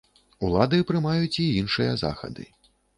Улады прымаюць і іншыя захады.